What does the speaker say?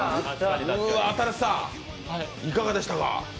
新子さん、いかがでしたか？